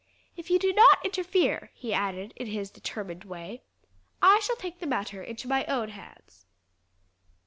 If you do not interfere," he added in his determined way, "I shall take the matter into my own hands."